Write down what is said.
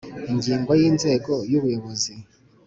Ingingo ya Inzego y ubuyobozi